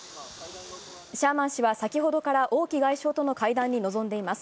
シャーマン氏は先ほどから王毅外相との会談に臨んでいます。